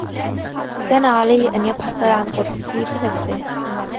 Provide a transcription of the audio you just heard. كان عليه أن يبحث عن غرفته بنفسه.